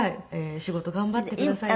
仕事頑張ってください。